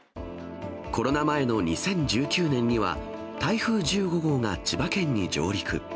コロナ前の２０１９年には、台風１５号が千葉県に上陸。